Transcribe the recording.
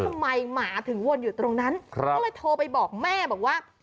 ทำไมหมาถึงวนอยู่ตรงนั้นก็เลยโทรไปบอกแม่บอกว่า